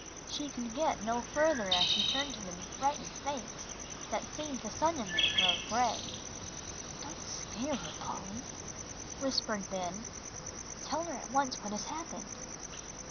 She could get no further as she turned to them a frightened face that seemed to suddenly grow gray. "Don't scare her, Polly," whispered Ben. "Tell her at once what has happened."